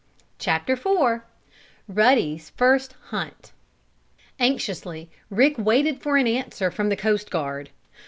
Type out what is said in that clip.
CHAPTER IV RUDDY'S FIRST HUNT Anxiously Rick waited for an answer from the coast guard.